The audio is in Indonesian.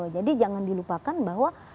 jadi jangan dilupakan bahwa